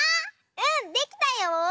うんできたよ！